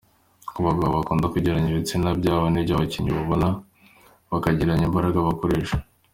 Ku bagabo bakunda kugereranya ibitsina byabo n’iby’abakinnyi babona, bakagereranya imbaraga bakoresha,.